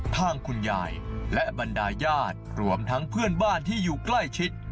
ทางคุณยายและบรรดาญาติรวมทั้งเพื่อนบ้านที่อยู่ใกล้ชิด